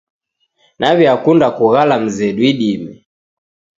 Naw'eakunda kughala mzedu idime.